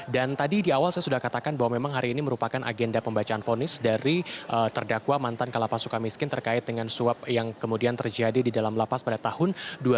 dan tadi di awal saya sudah katakan bahwa memang hari ini merupakan agenda pembacaan vonis dari terdakwa mantan kalapa suka miskin terkait dengan suap yang kemudian terjadi di dalam lapas pada tahun dua ribu delapan belas